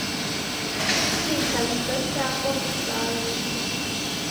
kwikanyiza cyangwa gusayisha